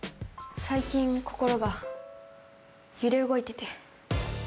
最近心が揺れ動いてて。